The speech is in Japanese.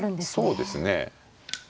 そうですね。